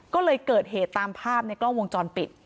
ก็เลยเกิดเหตุตามภาพในกล้องวงจรปิด